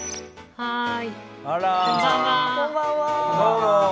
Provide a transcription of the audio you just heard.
はい。